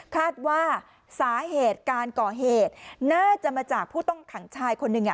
คาดว่าสาเหตุการก่อเหตุน่าจะมาจากผู้ต้องขังชายคนหนึ่ง